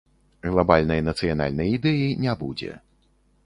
Глабальнай нацыянальнай ідэі не будзе.